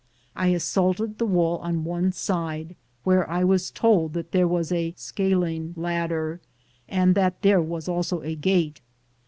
I as saulted the wall on one side, where I was told that there was a scaling ladder and that there was also a gate.